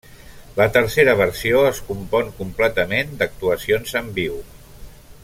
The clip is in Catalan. La tercera versió es compon completament d'actuacions en viu.